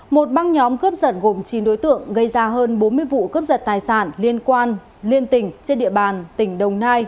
một băng nhóm cướp giật gồm chín đối tượng gây ra hơn bốn mươi vụ cướp giật tài sản liên quan liên tỉnh trên địa bàn tỉnh đồng nai